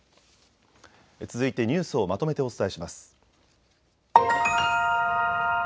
続いてニュースをまとめてお伝えします。